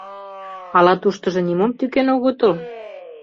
Ала туштыжо нимом тӱкен огытыл?